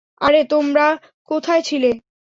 আরে তোমরা কোথায় ছিলে?